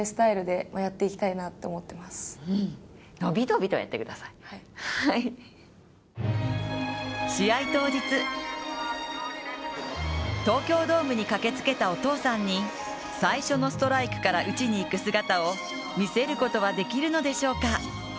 試合での目標は試合当日、東京ドームに駆けつけたお父さんに最初のストライクから打ちにいく姿を見せることはできるのでしょうか？